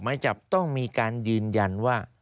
หมายจับต้องมีการยืนยันว่า